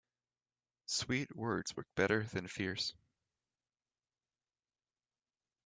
Sweet words work better than fierce.